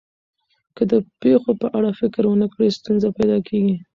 که د پېښو په اړه فکر ونه کړئ، ستونزه پیدا کېږي.